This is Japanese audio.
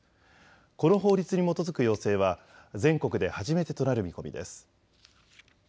この法律に基づく要請は全国で初めてとなる見込みです。